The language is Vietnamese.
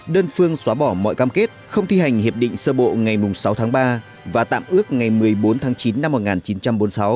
đơn phương xóa bỏ mọi cam kết không thi hành hiệp định sơ bộ ngày sáu tháng ba và tạm ước ngày một mươi bốn tháng chín năm một nghìn chín trăm bốn mươi sáu